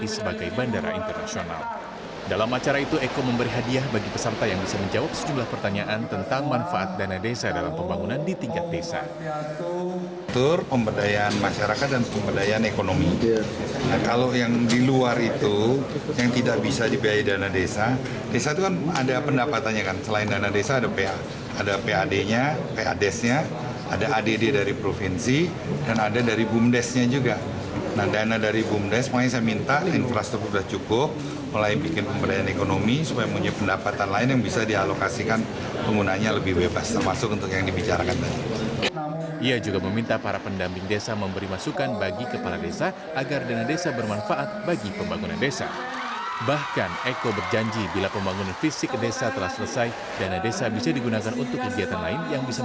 sebagai narasumber dipandu oleh fnd gazali